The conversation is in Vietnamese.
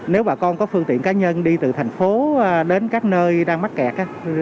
nếu bà con có phương tiện cá nhân đi từ thành phố đến các nơi đang mắc kẹt